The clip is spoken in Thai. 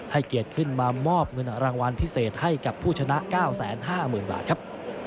เกียรติขึ้นมามอบเงินรางวัลพิเศษให้กับผู้ชนะ๙๕๐๐๐บาทครับ